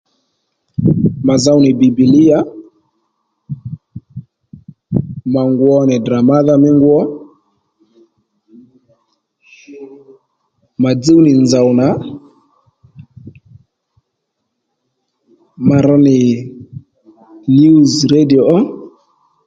Mà zow nì bìbìlíyà mà ngwo nì Ddrà mádha mí ngwo mà dzúw nì nzòw nà mà rr nì news rǎdìo ó